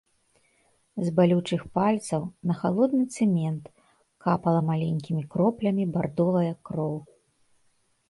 З балючых пальцаў на халодны цэмент капала маленькімі кроплямі бардовая кроў.